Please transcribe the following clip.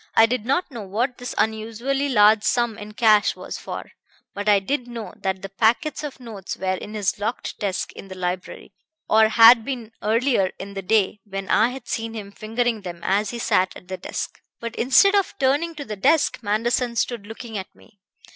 I did not know what this unusually large sum in cash was for; but I did know that the packets of notes were in his locked desk in the library, or had been earlier in the day, when I had seen him fingering them as he sat at the desk. "But instead of turning to the desk, Manderson stood looking at me.